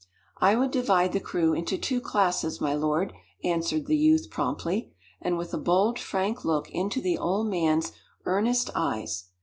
"I would divide the crew into two classes, my lord," answered the youth, promptly, and with a bold frank look into the old man's earnest eyes.